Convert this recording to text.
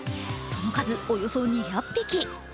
その数、およそ２００匹。